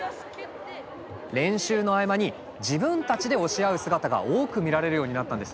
練習の合間に自分たちで教え合う姿が多く見られるようになったんです。